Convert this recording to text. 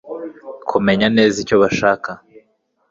kumenya neza icyo bashaka